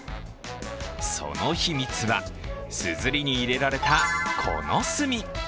その秘密は、すずりに入れられた、この墨。